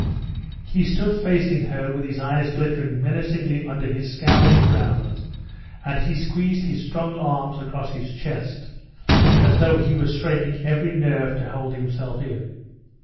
He stood facing her with his eyes glittering menacingly under his scowling brows, and he squeezed his strong arms across his chest, as though he were straining every nerve to hold himself in.